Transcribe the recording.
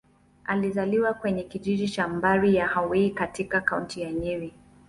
Alizaliwa kwenye kijiji cha Mbari-ya-Hwai, katika Kaunti ya Nyeri.